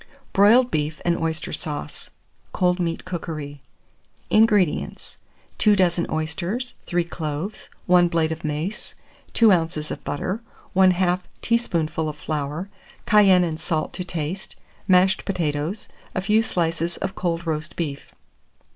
BROILED BEEF AND OYSTER SAUCE (Cold Meat Cookery). 613. INGREDIENTS. 2 dozen oysters, 3 cloves, 1 blade of mace, 2 oz. of butter, 1/2 teaspoonful of flour, cayenne and salt to taste, mashed potatoes, a few slices of cold roast beef.